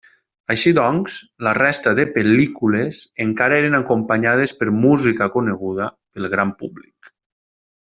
Així doncs, la resta de pel·lícules encara eren acompanyades per música coneguda pel gran públic.